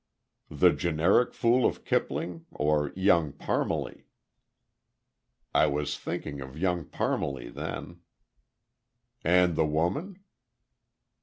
"The generic fool of Kipling, or Young Parmalee?" "I was thinking of Young Parmalee, then." "And the woman?"